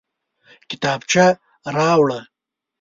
کتابچه راوړه